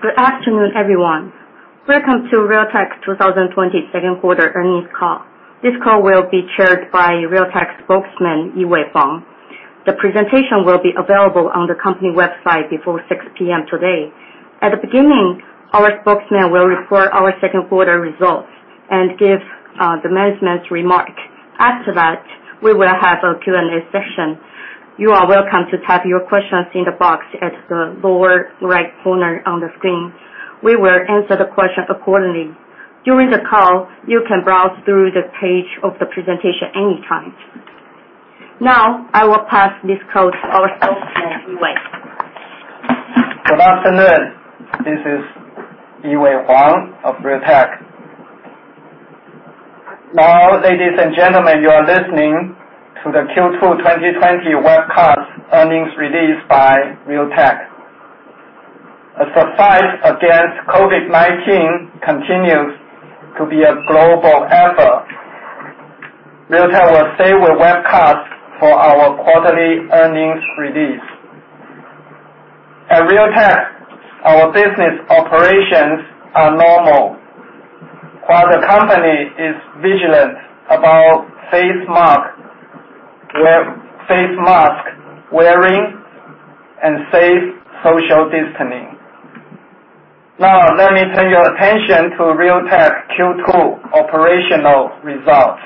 Good afternoon, everyone. Welcome to Realtek's 2020 Second Quarter Earnings Call. This call will be chaired by Realtek spokesman, Yee-Wei Huang. The presentation will be available on the company website before 6:00 P.M. today. At the beginning, our spokesman will report our second quarter results and give the management's remark. After that, we will have a Q&A session. You are welcome to type your questions in the box at the lower right corner on the screen. We will answer the question accordingly. During the call, you can browse through the page of the presentation anytime. Now, I will pass this call to our spokesman, Yee-Wei. Good afternoon. This is Yee-Wei Huang of Realtek. Now, ladies and gentlemen, you are listening to the Q2 2020 Webcast Earnings Release by Realtek. As the fight against COVID-19 continues to be a global effort, Realtek will stay with webcast for our quarterly earnings release. At Realtek, our business operations are normal, while the company is vigilant about face mask wearing and safe social distancing. Now, let me turn your attention to Realtek's Q2 operational results.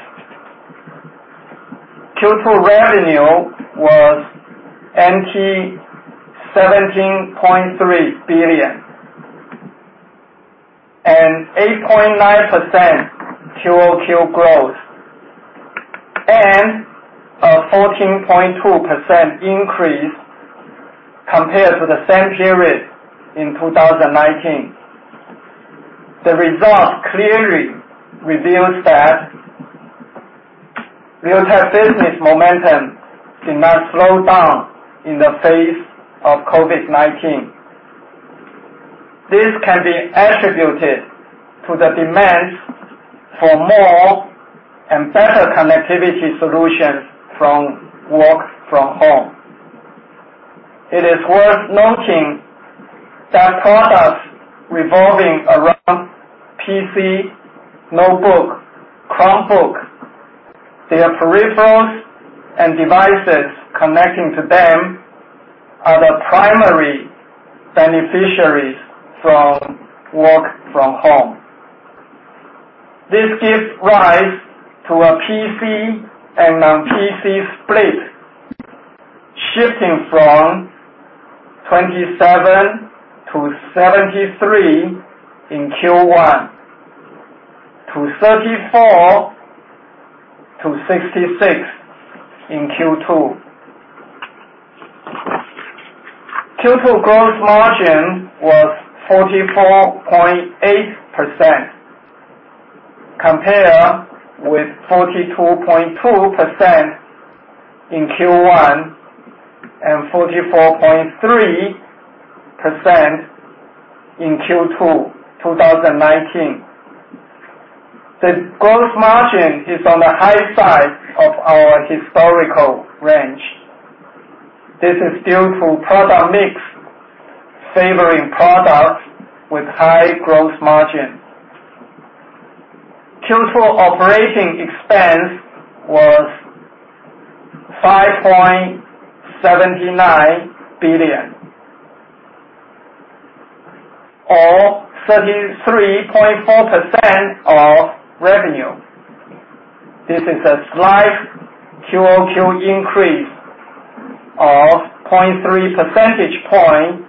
Q2 revenue was TWD 17.3 billion, an 8.9% QoQ growth, and a 14.2% increase compared to the same period in 2019. The result clearly reveals that Realtek business momentum did not slow down in the face of COVID-19. This can be attributed to the demands for more and better connectivity solutions from work from home. It is worth noting that products revolving around PC, notebook, Chromebook, their peripherals, and devices connecting to them are the primary beneficiaries from work from home. This gives rise to a PC and non-PC split, shifting from 27%-73% in Q1, to 34%-66% in Q2. Q2 gross margin was 44.8%, compared with 42.2% in Q1 and 44.3% in Q2 2019. The gross margin is on the high side of our historical range. This is due to product mix favoring products with high gross margin. Q2 operating expense was TWD 5.79 billion, or 33.4% of revenue. This is a slight QoQ increase of 0.3 percentage point,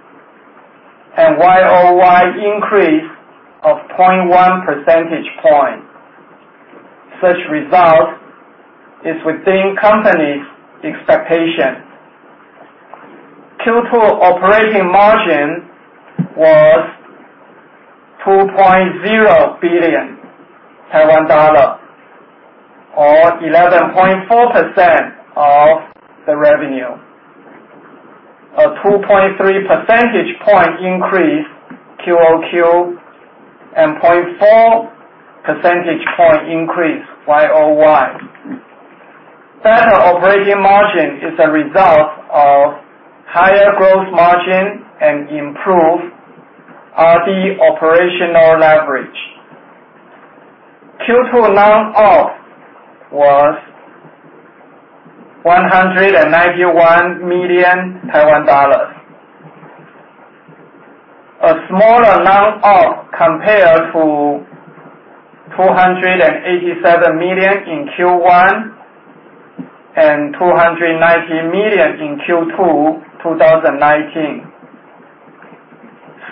YoY increase of 0.1 percentage point. Such result is within company's expectation. Q2 operating margin was TWD 2.0 billion or 11.4% of the revenue. A 2.3 percentage point increase QoQ, 0.4 percentage point increase YoY. Better operating margin is a result of higher gross margin and improved R&D operational leverage. Q2 non-op was TWD 191 million. A smaller non-op compared to 287 million in Q1 and 290 million in Q2 2019.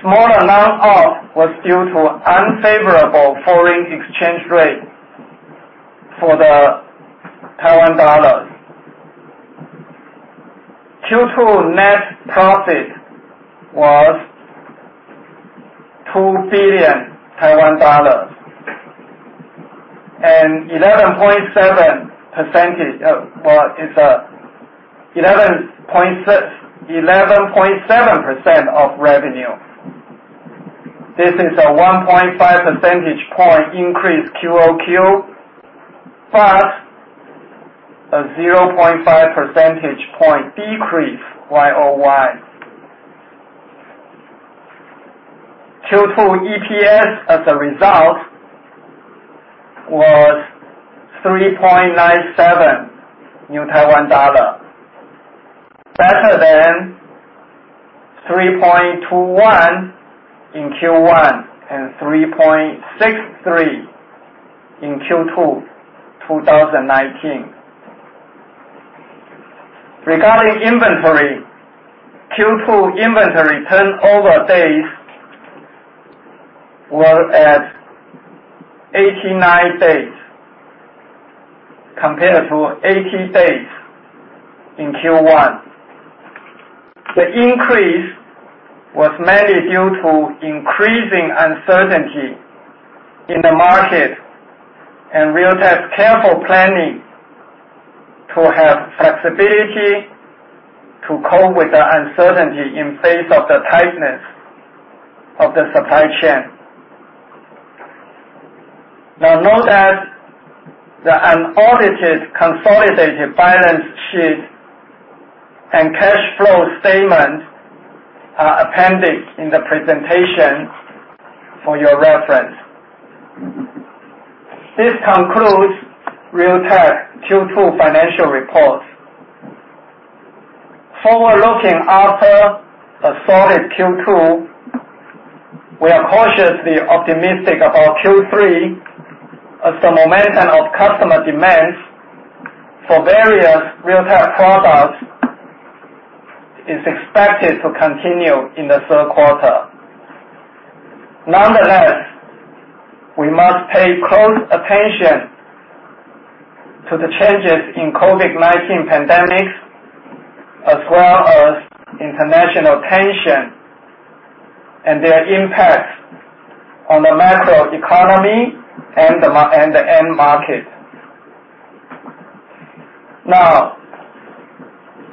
Smaller non-op was due to unfavorable foreign exchange rate for the TWD. Q2 net profit was TWD 2 billion and 11.7% of revenue. This is a 1.5 percentage point increase QoQ, but a 0.5 percentage point decrease YoY. Q2 EPS as a result was 3.97, better than 3.21 in Q1 and 3.63 in Q2 2019. Regarding inventory, Q2 inventory turnover days were at 89 days, compared to 80 days in Q1. The increase was mainly due to increasing uncertainty in the market, and Realtek's careful planning to have flexibility to cope with the uncertainty in face of the tightness of the supply chain. Note that the unaudited consolidated balance sheet and cash flow statement are appended in the presentation for your reference. This concludes Realtek Q2 financial report. Forward-looking, after a solid Q2, we are cautiously optimistic about Q3 as the momentum of customer demands for various Realtek products is expected to continue in the third quarter. We must pay close attention to the changes in COVID-19 pandemic, as well as international tension and their impact on the macro economy and the end market.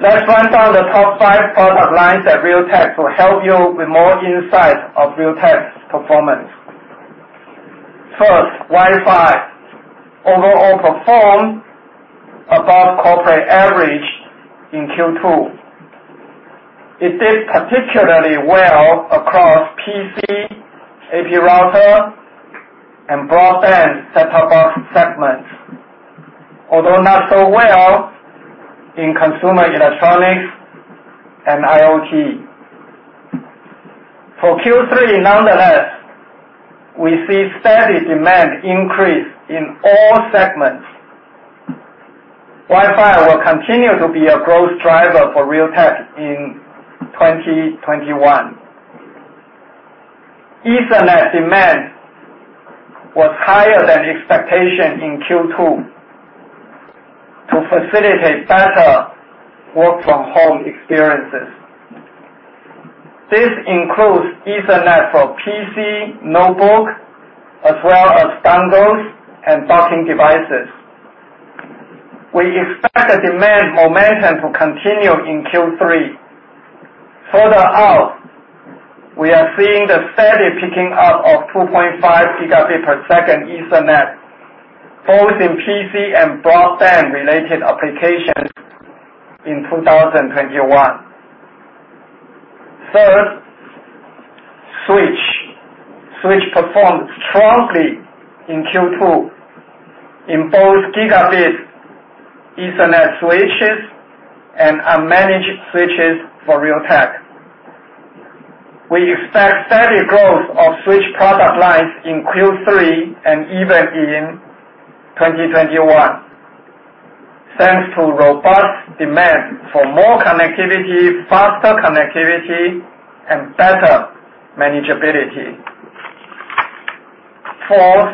Let's run down the top five product lines at Realtek to help you with more insight of Realtek's performance. First, Wi-Fi overall performed above corporate average in Q2. It did particularly well across PC, AP router, and broadband set-top box segments. Not so well in consumer electronics and IoT. For Q3, we see steady demand increase in all segments. Wi-Fi will continue to be a growth driver for Realtek in 2021. Ethernet demand was higher than expectation in Q2 to facilitate better work from home experiences. This includes Ethernet for PC, notebook, as well as dongles and docking devices. We expect the demand momentum to continue in Q3. Further out, we are seeing the steady picking up of 2.5 Gb per second Ethernet, both in PC and broadband related applications in 2021. Third, switch. Switch performed strongly in Q2 in both Gigabit Ethernet switches and unmanaged switches for Realtek. We expect steady growth of switch product lines in Q3 and even in 2021, thanks to robust demand for more connectivity, faster connectivity, and better manageability. Fourth,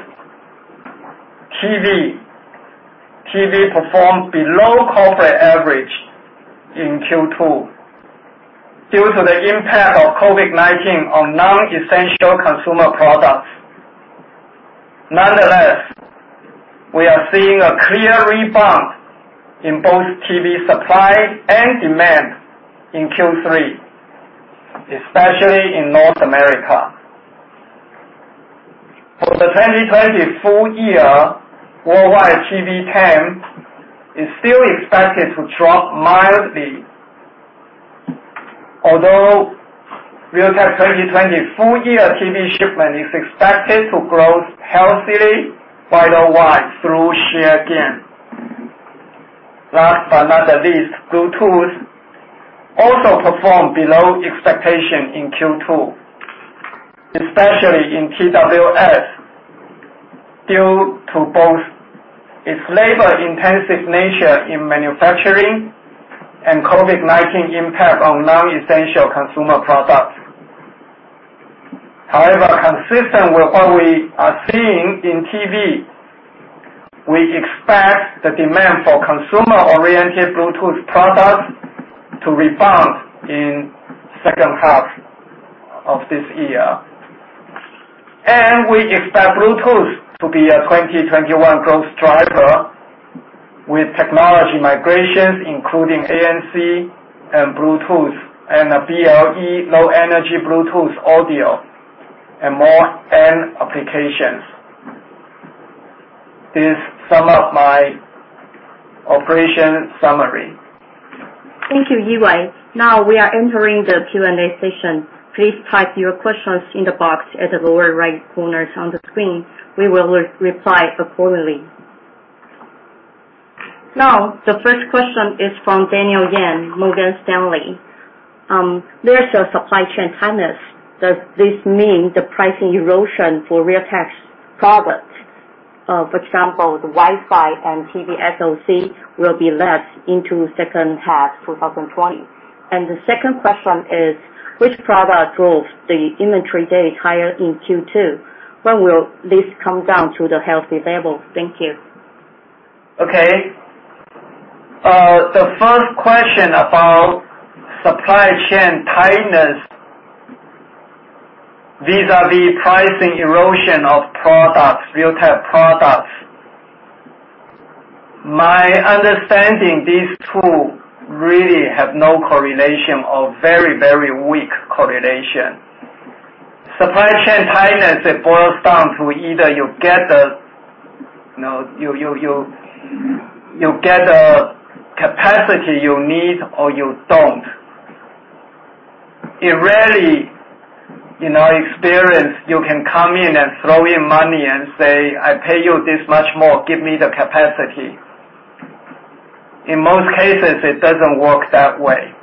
TV. TV performed below corporate average in Q2 due to the impact of COVID-19 on non-essential consumer products. Nonetheless, we are seeing a clear rebound in both TV supply and demand in Q3, especially in North America. For the 2020 full year, worldwide TV TAM is still expected to drop mildly. Realtek 2020 full year TV shipment is expected to grow healthily YoY through share gain. Last but not least, Bluetooth also performed below expectation in Q2, especially in TWS, due to both its labor intensive nature in manufacturing and COVID-19 impact on non-essential consumer products. Consistent with what we are seeing in TV, we expect the demand for consumer-oriented Bluetooth products to rebound in second half of this year. We expect Bluetooth to be a 2021 growth driver with technology migrations, including ANC and Bluetooth, and BLE, low energy Bluetooth audio and more end applications. This sum up my operation summary. Thank you, Yee-Wei. Now, we are entering the Q&A session. Please type your questions in the box at the lower right corner on the screen. We will reply accordingly. Now, the first question is from Daniel Yen, Morgan Stanley. There's a supply chain tightness. Does this mean the pricing erosion for Realtek's products, for example, the Wi-Fi and TV SoC, will be less into second half 2020? The second question is: Which product drove the inventory days higher in Q2? When will this come down to the healthy level? Thank you. Okay. The first question about supply chain tightness vis-à-vis pricing erosion of Realtek products. My understanding, these two really have no correlation or very, very weak correlation. Supply chain tightness, it boils down to either you get the capacity you need, or you don't. It rarely, in our experience, you can come in and throw in money and say, "I pay you this much more. Give me the capacity." In most cases, it doesn't work that way.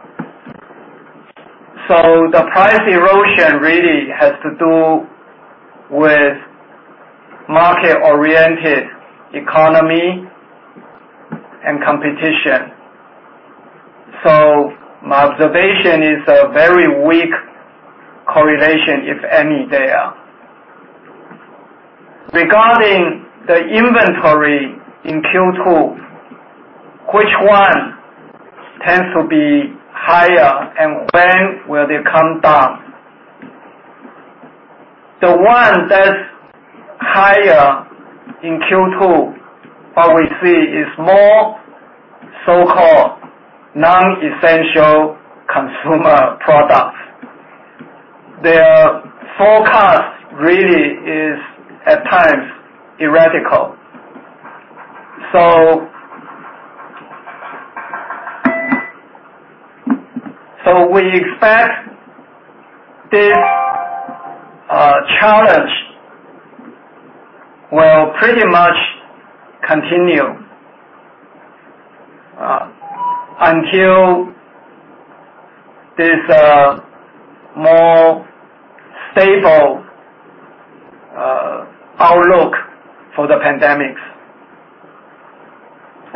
The price erosion really has to do with market-oriented economy and competition. My observation is a very weak correlation, if any there. Regarding the inventory in Q2, which one tends to be higher, and when will they come down? The one that's higher in Q2, what we see is more so-called non-essential consumer products. Their forecast really is, at times, erratic. We expect this challenge will pretty much continue until there's a more stable outlook for the pandemics.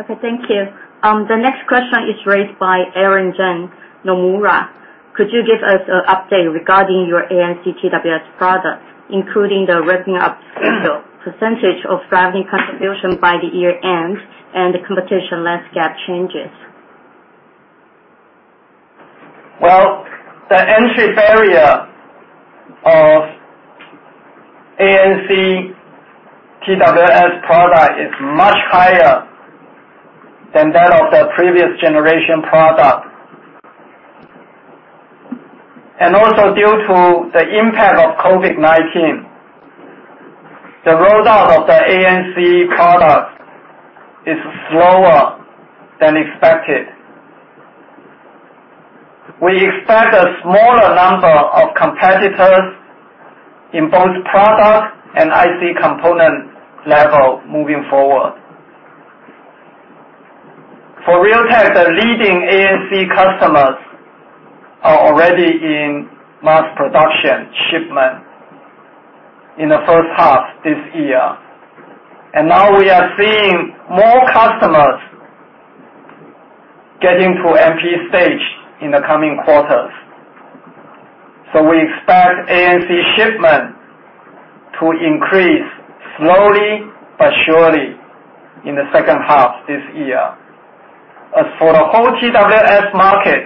Okay, thank you. The next question is raised by Aaron Jeng, Nomura. Could you give us an update regarding your ANC TWS products, including the ramping up schedule, percentage of revenue contribution by the year-end, and the competition landscape changes? Well, the entry barrier of ANC TWS product is much higher than that of the previous generation product. Due to the impact of COVID-19, the rollout of the ANC product is slower than expected. We expect a smaller number of competitors in both product and IC component level moving forward. For Realtek, the leading ANC customers are already in mass production shipment in the first half this year. Now we are seeing more customers getting to MP stage in the coming quarters. We expect ANC shipment to increase slowly but surely in the second half this year. As for the whole TWS market,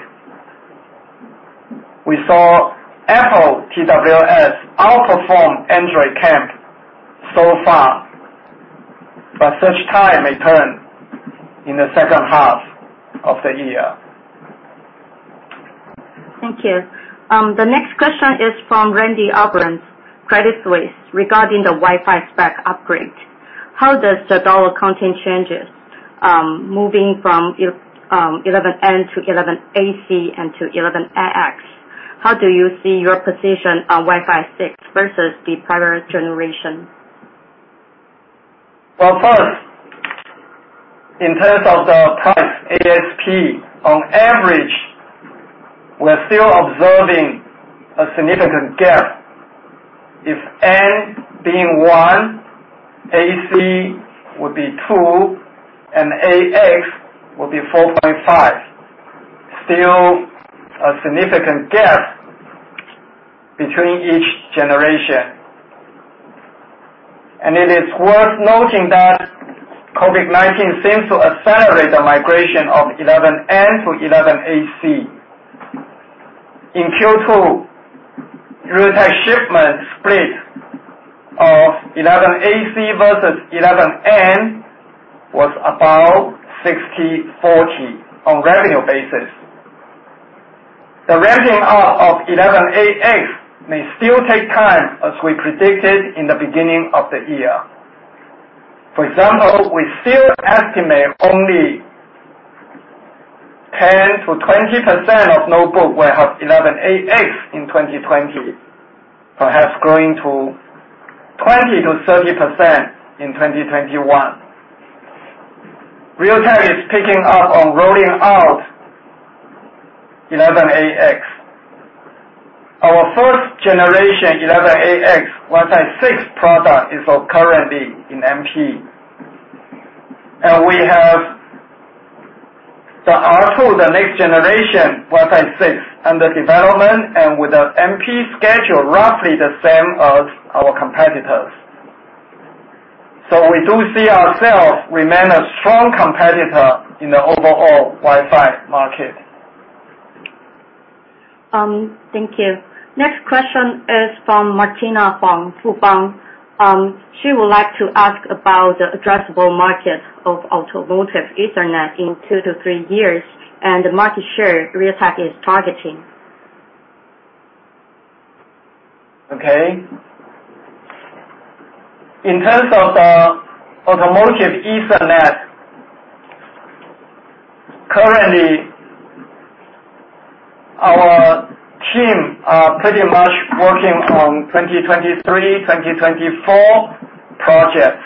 we saw Apple TWS outperform Android camp so far. Such time may turn in the second half of the year. Thank you. The next question is from Randy Abrams, Credit Suisse, regarding the Wi-Fi spec upgrade. How does the dollar content changes, moving from 802.11n to 802.11ac and to 802.11ax? How do you see your position on Wi-Fi 6 versus the prior generation? Well, first, in terms of the price ASP, on average, we are still observing a significant gap. If n being one, ac would be two, and ax will be 4.5. Still a significant gap between each generation. It is worth noting that COVID-19 seems to accelerate the migration of 11n to 11ac. In Q2, Realtek shipment split of 11ac versus 11n was about 60/40 on revenue basis. The ramping up of 11ax may still take time, as we predicted in the beginning of the year. For example, we still estimate only 10%-20% of notebooks will have 11ax in 2020. Perhaps growing to 20%-30% in 2021. Realtek is picking up on rolling out 11ax. Our first generation 11ax Wi-Fi 6 product is currently in MP. We have the R2, the next generation Wi-Fi 6, under development and with an MP schedule roughly the same as our competitors. We do see ourselves remain a strong competitor in the overall Wi-Fi market. Thank you. Next question is from Martina Huang, Fubon. She would like to ask about the addressable market of automotive Ethernet in two to three years, and the market share Realtek is targeting. Okay. In terms of the automotive Ethernet, currently our team are pretty much working on 2023, 2024 projects.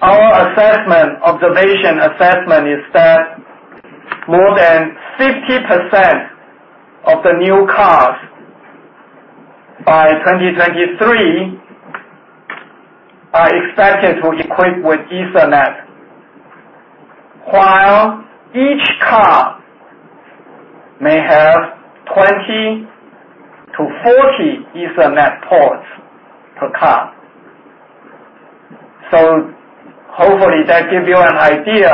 Our observation assessment is that more than 50% of the new cars by 2023 are expected to equip with Ethernet. While each car may have 20-40 Ethernet ports per car. Hopefully that gives you an idea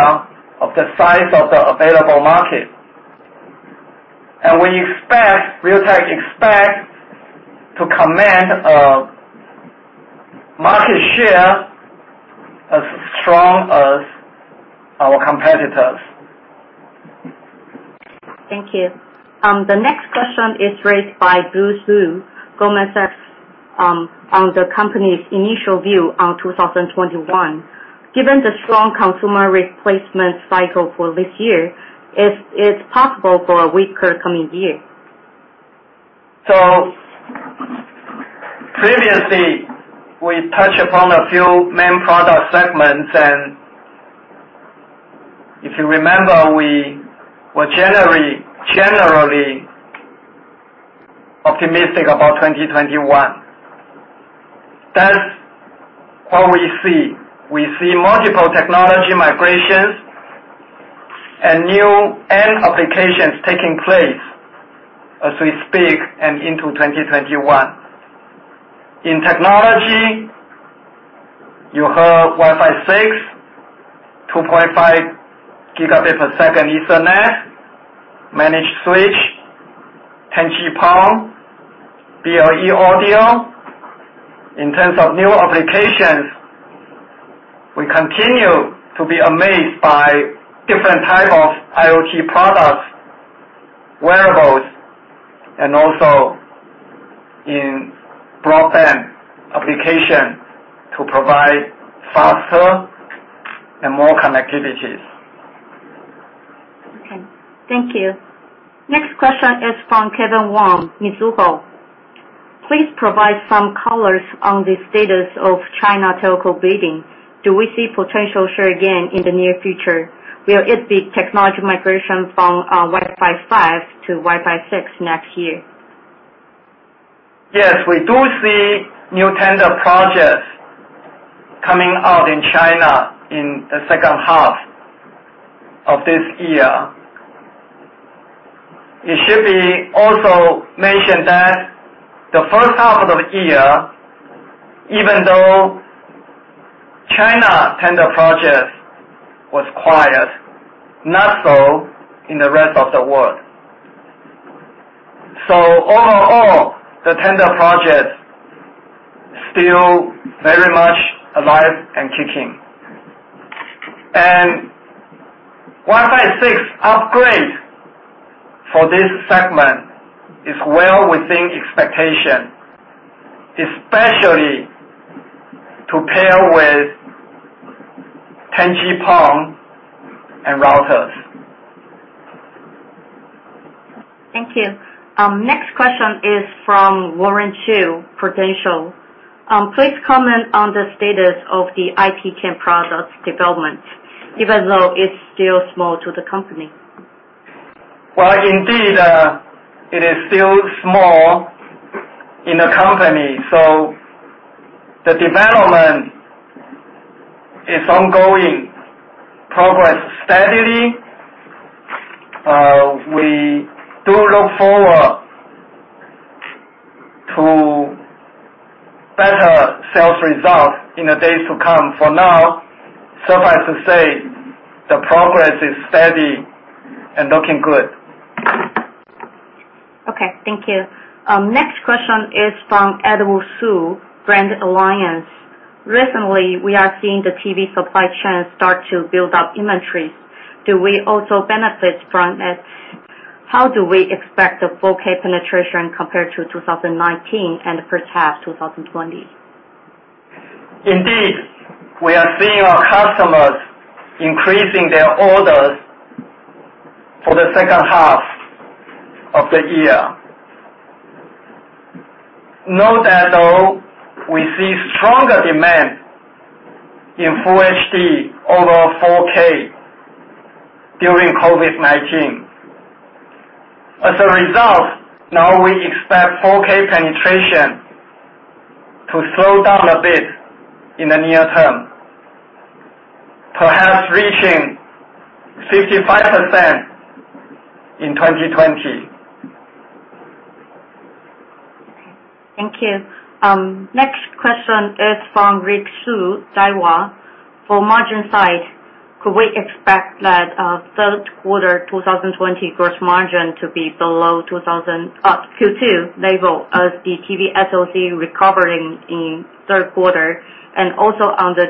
of the size of the available market. Realtek expects to command a market share as strong as our competitors. Thank you. The next question is raised by Bruce Lu, Goldman Sachs, on the company's initial view on 2021. Given the strong consumer replacement cycle for this year, is it possible for a weaker coming year? Previously, we touched upon a few main product segments, and if you remember, we were generally optimistic about 2021. That's what we see. We see multiple technology migrations and new end applications taking place as we speak and into 2021. In technology, you heard Wi-Fi 6, 2.5 Gb per second Ethernet, managed switch, 10G-PON, BLE audio. In terms of new applications, we continue to be amazed by different types of IoT products, wearables, and also in broadband application to provide faster and more connectivities. Okay. Thank you. Next question is from Kevin Wang, Mizuho. Please provide some colors on the status of China telco bidding. Do we see potential share gain in the near future? Will it be technology migration from Wi-Fi 5 to Wi-Fi 6 next year? Yes, we do see new tender projects coming out in China in the second half of this year. It should be also mentioned that the first half of the year, even though China tender projects was quiet, not so in the rest of the world. Overall, the tender projects still very much alive and kicking. Wi-Fi 6 upgrade for this segment is well within expectation, especially to pair with 10G-PON and routers. Thank you. Next question is from Warren Chu, Prudential. Please comment on the status of the IPK product development, even though it's still small to the company. Indeed, it is still small in the company, the development is ongoing. Progress steadily. We do look forward to better sales results in the days to come. For now, suffice to say, the progress is steady and looking good. Okay. Thank you. Next question is from Edward Su, Grand Alliance. Recently, we are seeing the TV supply chain start to build up inventory. Do we also benefit from it? How do we expect the 4K penetration compared to 2019 and the first half 2020? Indeed, we are seeing our customers increasing their orders for the second half of the year. Note that, though, we see stronger demand in Full HD over 4K during COVID-19. Now we expect 4K penetration to slow down a bit in the near term, perhaps reaching 55% in 2020. Okay. Thank you. Next question is from Rick Hsu, Daiwa. For margin side, could we expect that third quarter 2020 gross margin to be below Q2 level as the TV SoC recovering in third quarter? Also on the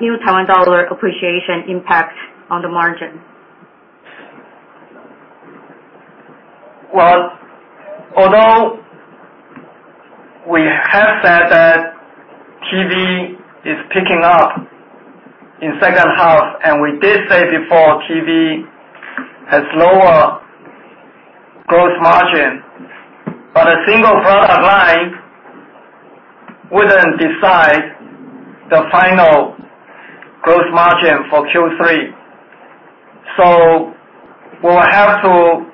New Taiwan dollar appreciation impact on the margin. Well, although we have said that TV is picking up in second half, we did say before TV has lower gross margin, a single product line wouldn't decide the final gross margin for Q3. We'll have to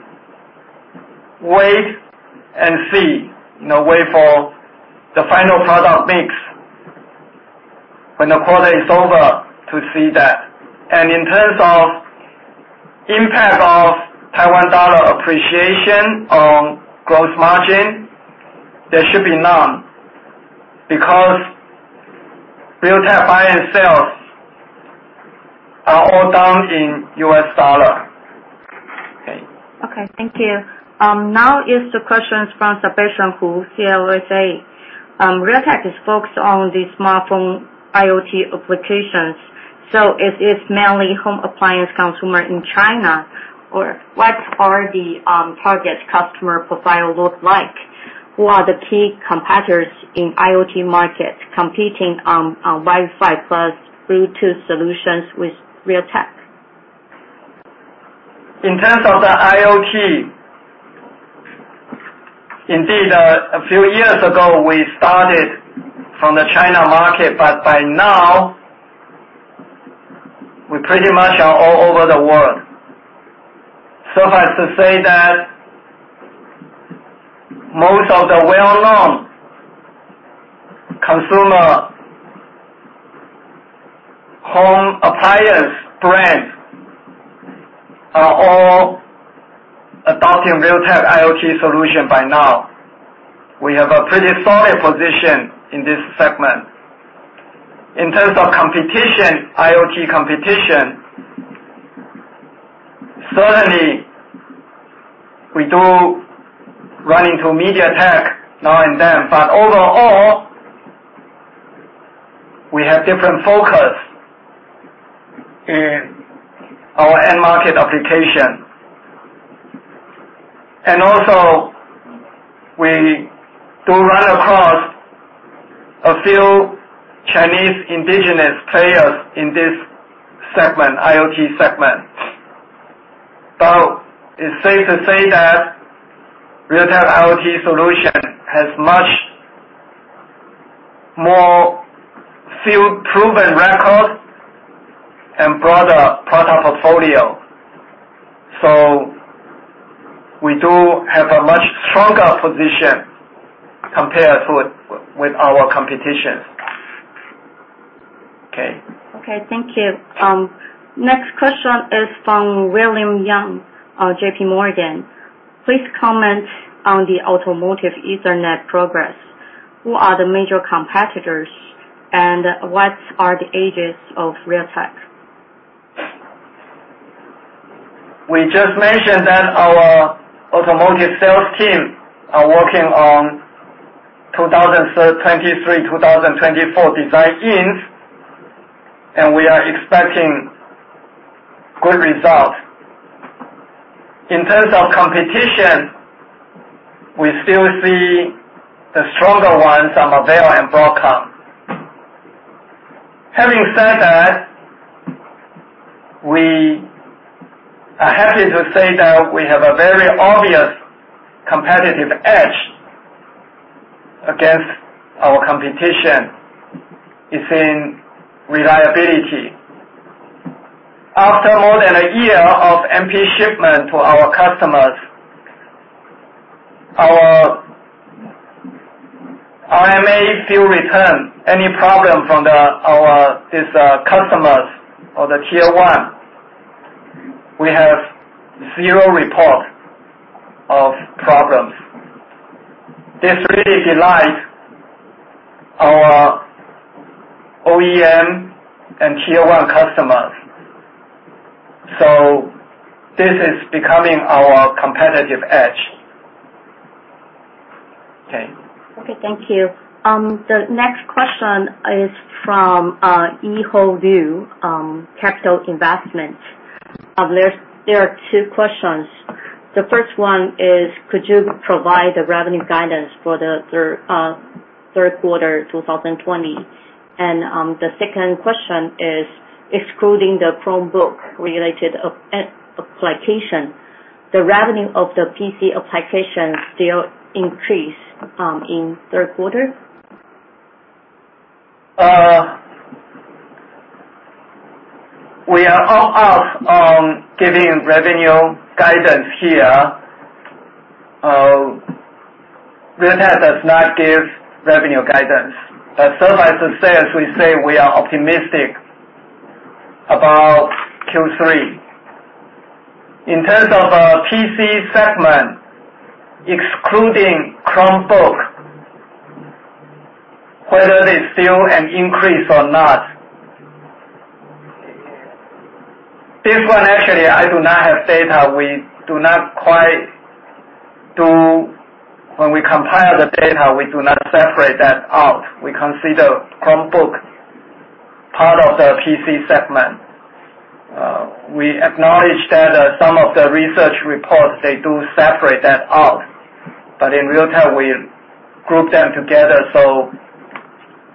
wait and see. Wait for the final product mix when the quarter is over to see that. In terms of impact of Taiwan dollar appreciation on gross margin, there should be none, because Realtek buy and sell are all done in U.S. dollar. Okay. Okay. Thank you. Now is the questions from Sebastian Hou, CLSA. Realtek is focused on the smartphone IoT applications. Is it mainly home appliance consumer in China? What are the target customer profile look like? Who are the key competitors in IoT market competing on Wi-Fi plus Bluetooth solutions with Realtek? In terms of the IoT, indeed, a few years ago, we started from the China market. By now, we pretty much are all over the world. Suffice to say that most of the well-known consumer home appliance brands are all adopting Realtek IoT solution by now. We have a pretty solid position in this segment. In terms of competition, IoT competition, certainly, we do run into MediaTek now and then. Overall, we have different focus in our end market application. Also, we do run across a few Chinese indigenous players in this segment, IoT segment. It's safe to say that Realtek IoT solution has much more field-proven records and broader product portfolio. We do have a much stronger position compared with our competition. Okay. Okay. Thank you. Next question is from William Yang of JPMorgan. Please comment on the automotive Ethernet progress. Who are the major competitors, and what are the edges of Realtek? We just mentioned that our automotive sales team are working on 2023, 2024 design-ins, and we are expecting good results. In terms of competition, we still see the stronger ones are Marvell and Broadcom. Having said that, we are happy to say that we have a very obvious competitive edge against our competition. It's in reliability. After more than a year of MP shipment to our customers, our RMA field return, any problem from these customers or the Tier 1, we have zero report of problems. This really delights OEM and Tier 1 customers. This is becoming our competitive edge. Okay. Okay, thank you. The next question is from Yi-Ho Liu, Capital Investment. There are two questions. The first one is, could you provide the revenue guidance for the third quarter 2020? The second question is, excluding the Chromebook related application, the revenue of the PC application still increase in third quarter? We are opt out on giving revenue guidance here. Realtek does not give revenue guidance. Suffice to say, as we say, we are optimistic about Q3. In terms of PC segment, excluding Chromebook, whether there's still an increase or not. This one, actually, I do not have data. When we compile the data, we do not separate that out. We consider Chromebook part of the PC segment. We acknowledge that some of the research reports, they do separate that out. In Realtek, we group them together, so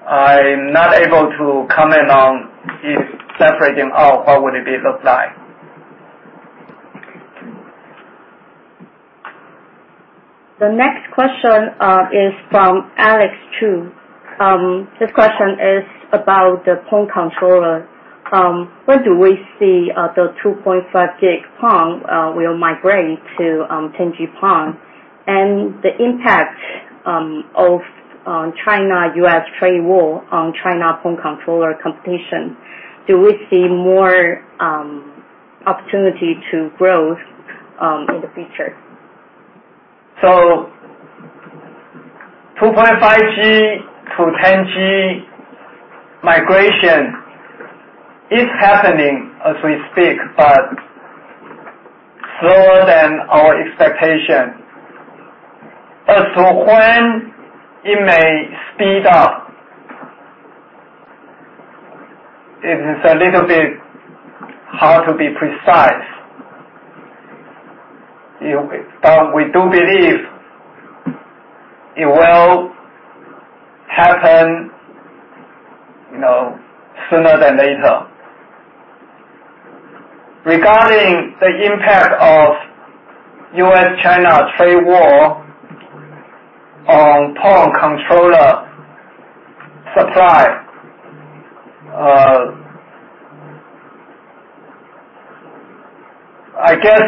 I'm not able to comment on if separate them out, what would it look like. The next question is from Alex Chu. This question is about the PON controller. When do we see the 2.5 Gb PON will migrate to 10G-PON? The impact of China-U.S. trade war on China PON controller competition, do we see more opportunity to growth in the future? 2.5G to 10G migration is happening as we speak, but slower than our expectation. As for when it may speed up, it is a little bit hard to be precise. We do believe it will happen sooner than later. Regarding the impact of U.S.-China trade war on PON controller supply, I guess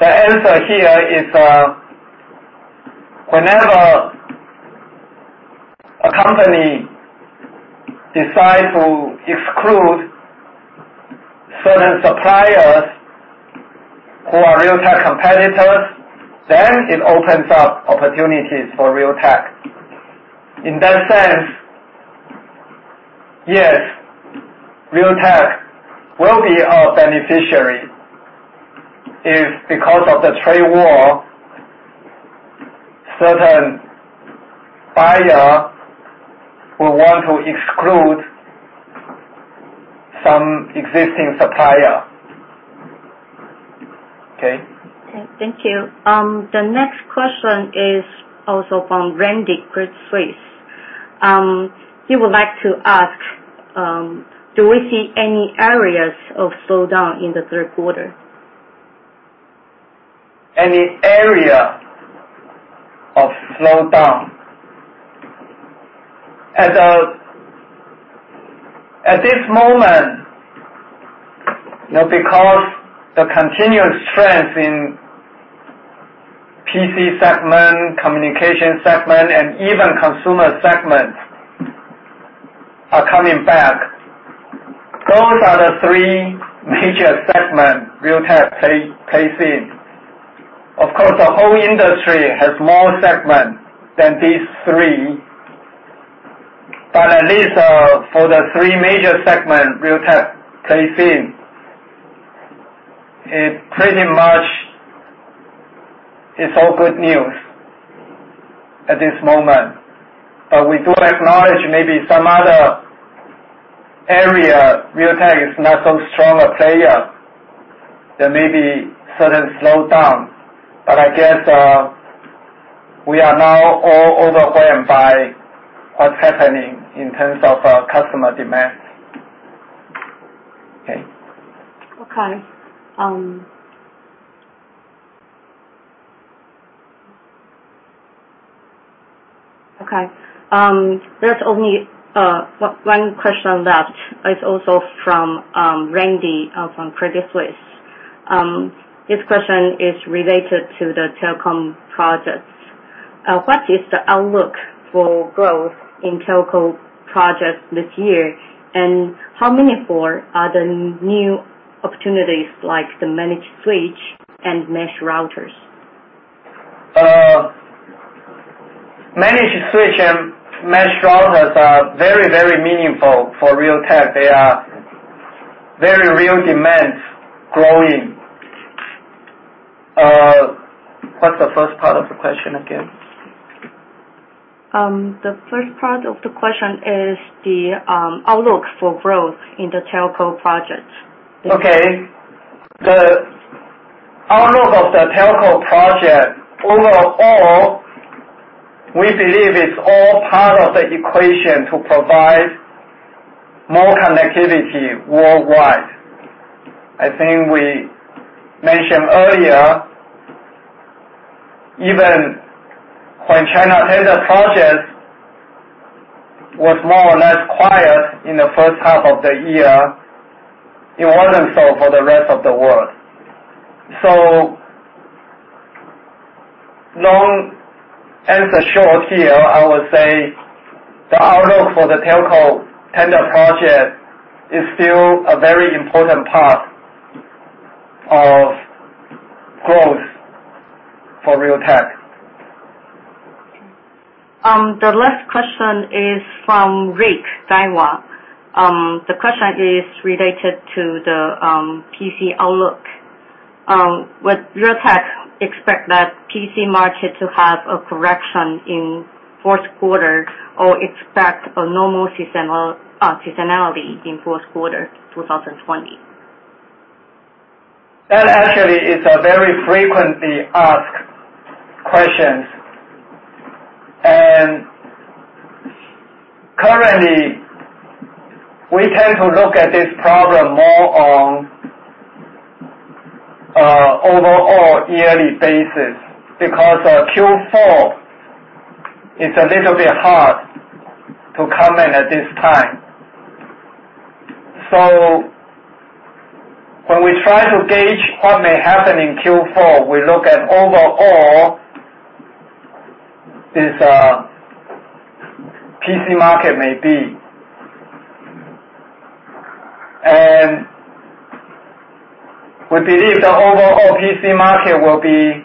the answer here is, whenever a company decide to exclude certain suppliers who are Realtek competitors, then it opens up opportunities for Realtek. In that sense, yes, Realtek will be a beneficiary if, because of the trade war, certain buyer will want to exclude some existing supplier. Okay? Okay. Thank you. The next question is also from Randy, Credit Suisse. He would like to ask, do we see any areas of slowdown in the third quarter? Any area of slowdown. At this moment, the continuous strength in PC segment, communication segment, and even consumer segment are coming back. Those are the three major segment Realtek plays in. Of course, the whole industry has more segment than these three. At least for the three major segment Realtek plays in, it pretty much is all good news at this moment. We do acknowledge maybe some other area, Realtek is not so strong a player. There may be certain slowdown. I guess, we are now all overwhelmed by what's happening in terms of customer demand. Okay. Okay. There's only one question left. It's also from Randy from Credit Suisse. This question is related to the telecom projects. What is the outlook for growth in telco projects this year, and how many more are the new opportunities, like the managed switch and mesh routers? Managed switch and mesh routers are very, very meaningful for Realtek. They are very real demands growing. What's the first part of the question again? The first part of the question is the outlook for growth in the telco project. Okay. The outlook of the telco project. Overall, we believe it's all part of the equation to provide more connectivity worldwide. I think we mentioned earlier, even when China tender projects was more or less quiet in the first half of the year, it wasn't so for the rest of the world. Long answer short here, I would say the outlook for the telco tender project is still a very important part of growth for Realtek. The last question is from Rick, Daiwa. The question is related to the PC outlook. Would Realtek expect that PC market to have a correction in fourth quarter, or expect a normal seasonality in fourth quarter 2020? That actually is a very frequently asked question. Currently, we tend to look at this problem more on overall yearly basis, because Q4 is a little bit hard to comment at this time. When we try to gauge what may happen in Q4, we look at overall, this PC market may be. We believe the overall PC market will be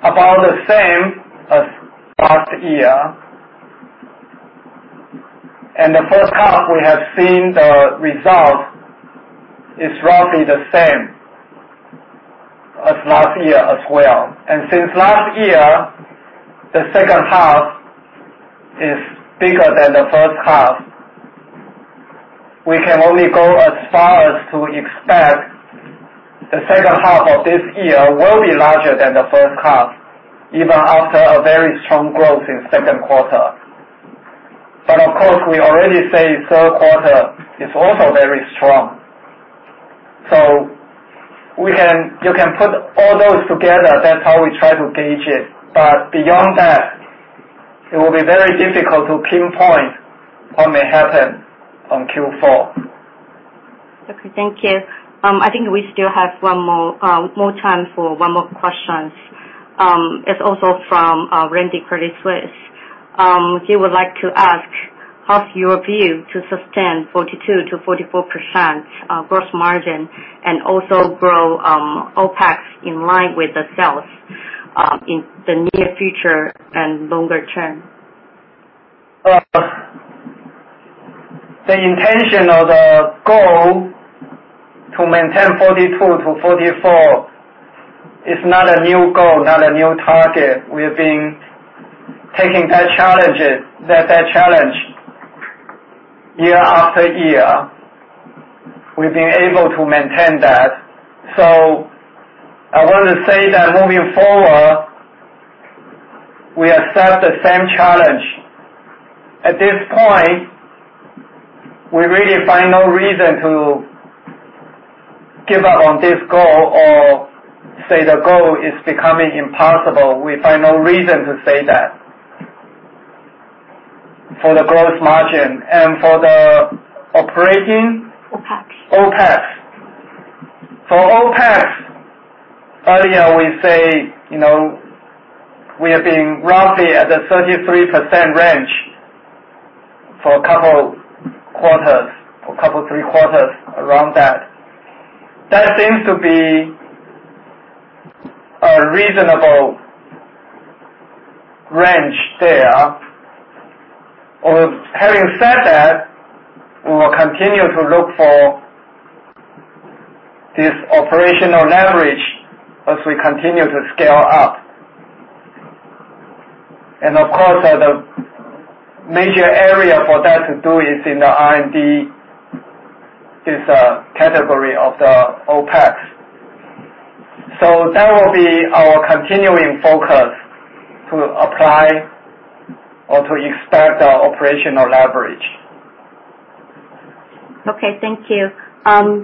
about the same as last year. The first half, we have seen the result is roughly the same as last year as well. Since last year, the second half is bigger than the first half. We can only go as far as to expect the second half of this year will be larger than the first half, even after a very strong growth in second quarter. Of course, we already say third quarter is also very strong. You can put all those together. That's how we try to gauge it. Beyond that, it will be very difficult to pinpoint what may happen on Q4. Okay. Thank you. I think we still have more time for one more question. It is also from Randy, Credit Suisse. He would like to ask, how is your view to sustain 42%-44% gross margin and also grow OPEX in line with the sales in the near future and longer term? The intention or the goal to maintain 42%-44% is not a new goal, not a new target. We've been taking that challenge year-after-year. We've been able to maintain that. I want to say that moving forward, we accept the same challenge. At this point, we really find no reason to give up on this goal or say the goal is becoming impossible. We find no reason to say that for the gross margin. For the operating? OpEx. OpEx. For OpEx, earlier we say, we have been roughly at the 33% range for a couple of three quarters, around that. That seems to be a reasonable range there. Having said that, we will continue to look for this operational leverage as we continue to scale up. Of course, the major area for that to do is in the R&D, this category of the OpEx. That will be our continuing focus to apply or to expect operational leverage. Okay. Thank you.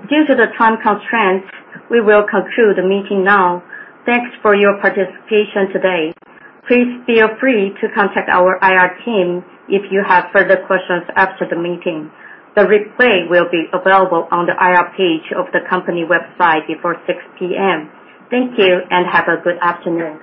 Due to the time constraints, we will conclude the meeting now. Thanks for your participation today. Please feel free to contact our IR team if you have further questions after the meeting. The replay will be available on the IR page of the company website before 6:00 P.M. Thank you, and have a good afternoon.